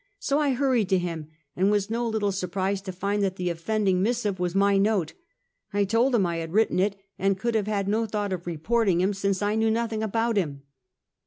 So I hurried to him, and was no little surprised to find that the offending mis sive was my note. I told him I had written it, and could have had no thought of "reporting" him, since I knew nothing about him.